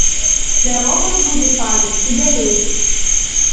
Заробак будзе падаць і далей.